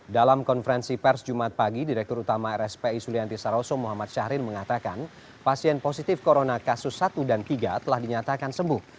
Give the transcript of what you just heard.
dalam konferensi pers jumat pagi direktur utama rspi sulianti saroso muhammad syahril mengatakan pasien positif corona kasus satu dan tiga telah dinyatakan sembuh